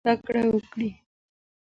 کوچنیان هم کولای سي ورڅخه زده کړه وکړي.